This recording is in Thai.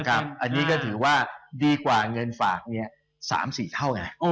อันนี้ก็ถือว่าดีกว่าเงินฝาก๓๔เท่าไง